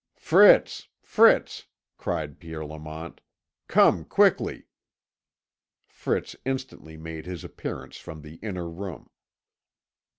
"Fritz, Fritz!" cried Pierre Lamont. "Come quickly!" Fritz instantly made his appearance from the inner room.